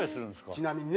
ちなみにね。